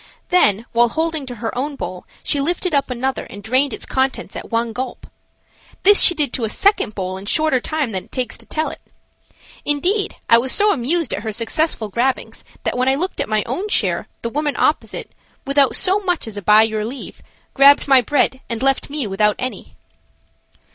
Then while holding to her own bowl she lifted up another and drained its contents at one gulp. This she did to a second bowl in shorter time than it takes to tell it. Indeed, I was so amused at her successful grabbings that when I looked at my own share the woman opposite, without so much as by your leave, grabbed my bread and left me without any.